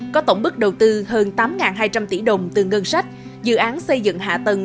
có tổng bức đầu tư hơn tám hai trăm linh tỷ đồng từ ngân sách dự án xây dựng hạ tầng